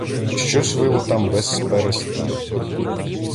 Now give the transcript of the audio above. Щось вило там безперестанно